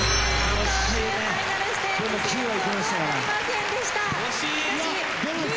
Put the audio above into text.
惜しい。